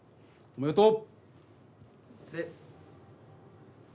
おめでとう！